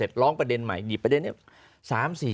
หลายครั้งหลายครั้งหลายครั้งหลายครั้งหลายครั้ง